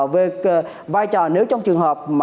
về vai trò nếu trong trường hợp